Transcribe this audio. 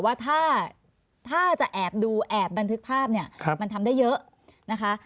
ว่าถ้าจะแอบดูแอบบันทึกภาพเนี่ยมันทำได้เยอะนะคะ